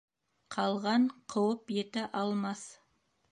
Ҡалған ҡыуып етә алмаҫ.